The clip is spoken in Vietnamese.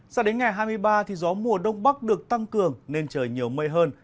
sao đến ngày hai mươi ba thì gió mùa đông bắc được tăng cường nên trời nhiều mây hơn